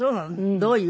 どういう？